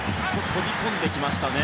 飛び込んできましたね。